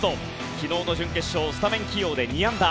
昨日の準決勝スタメン起用で２安打。